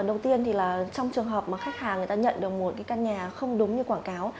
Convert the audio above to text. đầu tiên thì là trong trường hợp mà khách hàng người ta nhận được một cái căn nhà không đúng như quảng cáo